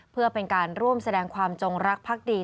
เพื่อเป็นการร่วมแสดงความจงรักภักดี